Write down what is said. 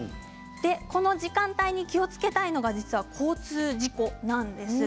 この時間帯に気をつけたいのは交通事故なんです。